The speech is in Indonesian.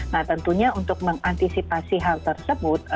nah tentunya untuk mengantisipasi hal tersebut